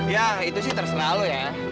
ya itu sih terserah lu ya